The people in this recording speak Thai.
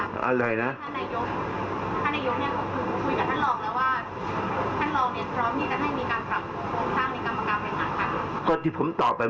ไม่เห็นพูดกับผม